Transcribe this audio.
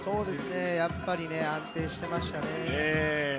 やっぱり安定してましたね。